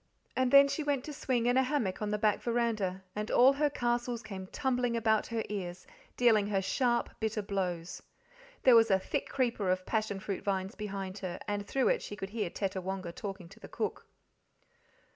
And then she went to swing in a hammock on the back veranda, and all her castles came tumbling about her ears, dealing her sharp, bitter blows. There was a thick creeper of passion fruit vines behind her, and through it she could hear Tettawonga talking to the cook.